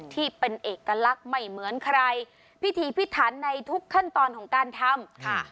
ที่เป็นเอกลักษณ์ไม่เหมือนใครพิธีพิถันในทุกขั้นตอนของการทำค่ะ